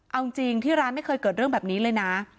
เอาจริงที่ร้านไม่เคยเกิดเรื่องแบบนี้เลยนะ